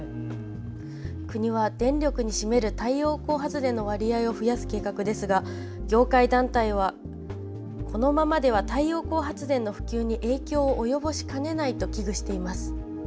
国は電力に占める太陽光発電の割合を増やす計画ですが業界団体はこのままでは太陽光発電の普及に影響を及ぼしかねないと危惧しています。